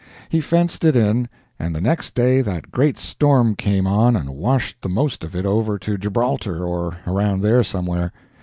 He fenced it in, and the next day that great storm came on and washed the most of it over to Gibraltar, or around there somewhere.